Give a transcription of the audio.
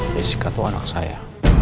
jessica itu anak saya